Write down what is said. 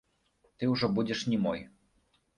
Ты ўжо будзеш не мой.